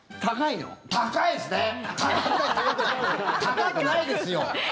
高くないですよ。